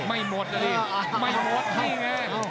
ไม่หมดเลยไม่หมดนี่ไง